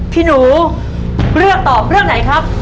พี่หนูเลือกตอบเรื่องไหนครับ